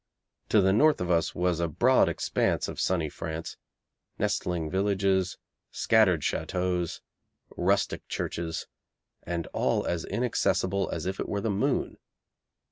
To the north of us was a broad expanse of sunny France, nestling villages, scattered châteaux, rustic churches, and all as inaccessible as if it were the moon.